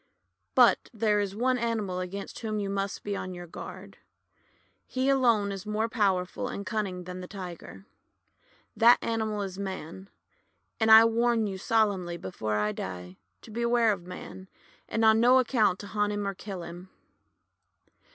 "But there is one animal against whom you must be on your guard. He alone is more power ful and cunning than the Tiger. That animal is Man. And I warn you solemnly, before I die, to beware of Man, and on no account to hunt him or kill him."